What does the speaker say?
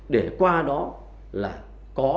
để qua đó là có